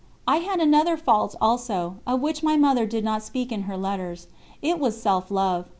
I had another fault also, of which my Mother did not speak in her letters: it was self love.